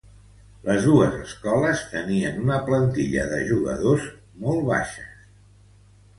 Les dos escoles tenien una plantilla de jugadors molt baixos.